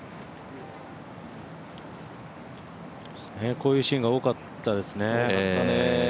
こういうシーンが多かったですね。